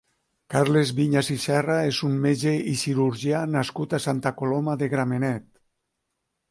Carles Viñas i Serra és un metge i cirurgià nascut a Santa Coloma de Gramenet.